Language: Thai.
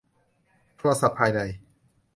โทรศัพท์ภายใน